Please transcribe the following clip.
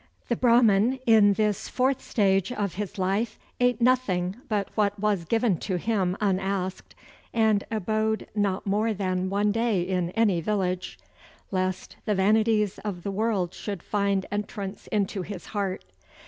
The Brahman, in this fourth stage of his life, ate nothing but what was given to him unasked, and abode not more than one day in any village, lest the vanities of the world should find entrance into his heart.